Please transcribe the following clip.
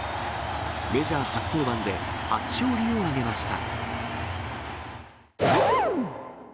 メジャー初登板で初勝利を挙げました。